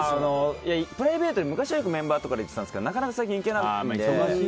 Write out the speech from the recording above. プライベートで昔はよくメンバーとかで行ってたんですけどなかなか最近行けないので。